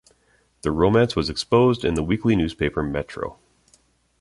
The romance was exposed in the weekly newspaper Metro.